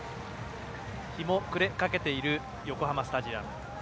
日も暮れかけている横浜スタジアム。